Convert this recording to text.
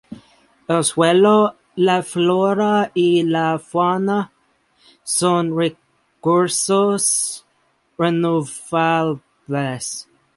El suelo, la flora y la fauna son recursos renovables.